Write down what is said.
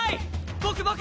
僕僕！